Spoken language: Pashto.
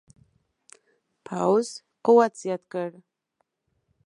پوځ قوت زیات کړ.